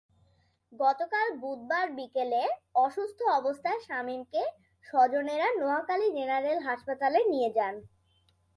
গতকাল বুধবার বিকেলে অসুস্থ অবস্থায় শামীমকে স্বজনেরা নোয়াখালী জেনারেল হাসপাতালে নিয়ে যান।